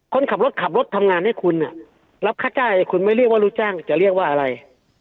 คนขับรถขับรถทำงานให้คุณรับค่าจ้างคุณไม่เรียกว่าลูกจ้างจะเรียกว่าอะไร